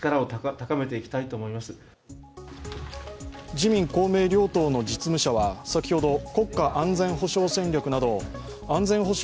自民・公明両党の実務者は先ほど国家安全保障戦略など安全保障